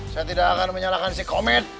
saya tidak akan menyalahkan si komen